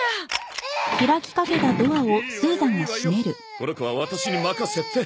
この子はアタシに任せて！